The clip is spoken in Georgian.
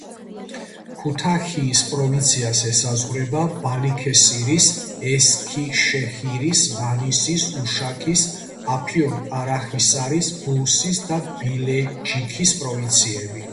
ქუთაჰიის პროვინციას ესაზღვრება ბალიქესირის, ესქიშეჰირის, მანისის, უშაქის, აფიონ-ყარაჰისარის, ბურსის და ბილეჯიქის პროვინციები.